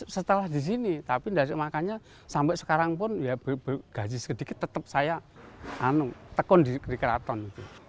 setelah di sini tapi makanya sampai sekarang pun ya bergaji sedikit tetap saya tekun di keraton